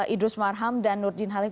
idrus marham dan nurdin halim